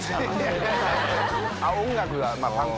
音楽が。